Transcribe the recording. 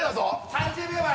３０秒前。